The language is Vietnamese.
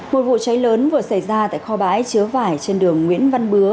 một vụ cháy lớn vừa xảy ra tại kho bãi chứa vải trên đường nguyễn văn bứa